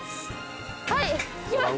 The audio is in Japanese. はいいきます。